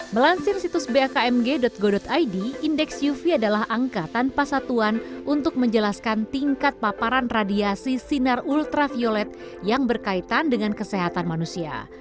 melansir situs bakmg go id indeks uv adalah angka tanpa satuan untuk menjelaskan tingkat paparan radiasi sinar ultraviolet yang berkaitan dengan kesehatan manusia